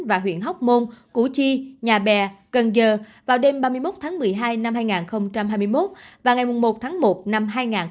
và huyện hóc môn củ chi nhà bè cần giờ vào đêm ba mươi một tháng một mươi hai năm hai nghìn hai mươi một và ngày một tháng một năm hai nghìn hai mươi bốn